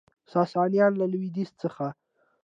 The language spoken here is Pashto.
ساسانیان له لویدیځ څخه